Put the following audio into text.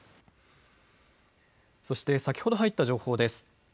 そして先ほど入った情報です。